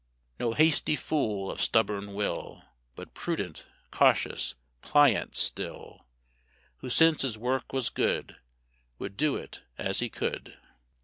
No hasty fool, of stubborn will, But prudent, cautious, pliant still; Who since his work was good Would do it as he could.